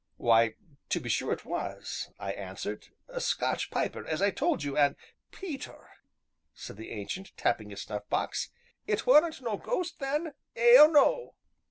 "Why, to be sure it was," I answered, "a Scotch piper, as I told you, and " "Peter," said the Ancient, tapping his snuff box, "it weren't no ghost, then ay or no."